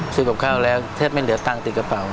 ซื้อกับข้าเทปไม่เหลียวสุดอยู่กับกระเป๋า